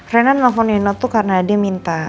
renan nelfon nino tuh karena dia minta